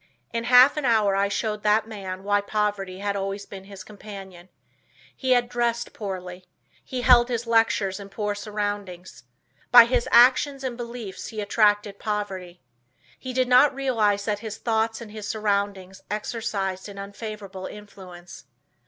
In half an hour I showed that man why poverty had always been his companion. He had dressed poorly. He held his lectures in poor surroundings. By his actions and beliefs he attracted poverty. He did not realize that his thoughts and his surroundings exercised an unfavorable influence.